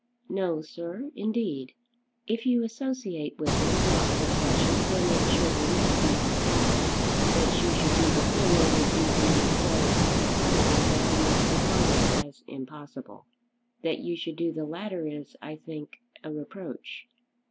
"No, sir, indeed." "If you associate with him, not for pleasure, then it surely must be for profit. That you should do the former would be to me so surprising that I must regard it as impossible. That you should do the latter is, I think, a reproach."